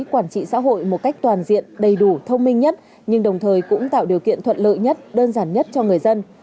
quản trị xã hội một cách toàn diện đầy đủ thông minh nhất nhưng đồng thời cũng tạo điều kiện thuận lợi nhất đơn giản nhất cho người dân